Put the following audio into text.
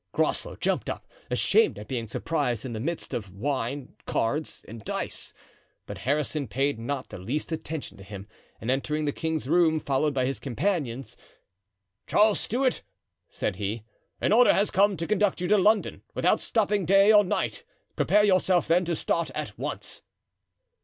Groslow jumped up, ashamed at being surprised in the midst of wine, cards, and dice. But Harrison paid not the least attention to him, and entering the king's room, followed by his companion: "Charles Stuart," said he, "an order has come to conduct you to London without stopping day or night. Prepare yourself, then, to start at once."